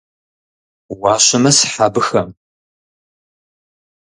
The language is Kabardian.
Уащымысхь абыхэм.